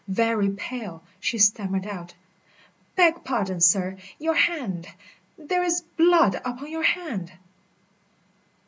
Very pale, she stammered out: "Beg pardon, sir, your hand there is blood upon your hand."